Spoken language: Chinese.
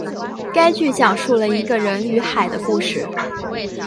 该剧讲述了一个人与海的故事。